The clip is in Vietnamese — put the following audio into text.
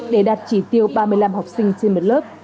để đạt chỉ tiêu ba mươi năm học sinh trên một lớp